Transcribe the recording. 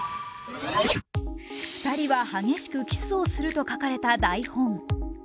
２人は激しくキスをすると書かれた台本。